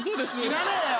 知らねえよ！